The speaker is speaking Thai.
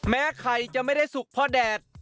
ไข่จะไม่ได้สุกเพราะแดด